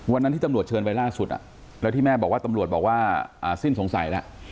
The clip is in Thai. วันนั้นที่ตำรวจเชิญไปล่าสุดแล้วที่แม่บอกว่าตำรวจบอกว่าสิ้นสงสัยแล้ว